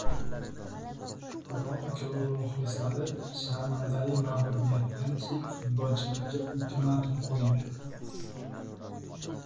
"Roma" klubi muxlislari sharmandali mag‘lubiyatdan keyin futbolchilarga ultimatum qo‘ydi